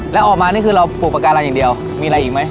แล้วออกมานี่คือเราปลูกปากการังอย่างเดียวมีอะไรอีกไหม